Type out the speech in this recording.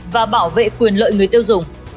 và bảo vệ quyền lợi người tiêu dùng